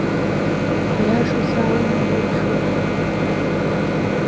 Аиашазы аума лылшоит…